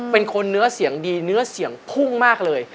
เป็นคนเนื้อเสียงดีเนื้อเสียงพุ่งมากเลย